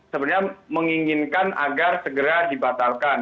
sebenarnya menginginkan agar segera dibatalkan